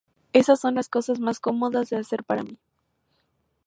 Esas son las cosas más cómodas de hacer para mi.